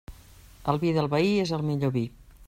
El vi del veí és el millor vi.